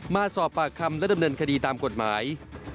มาสอบปากคำและดำเนินคดีตามกฎหมาย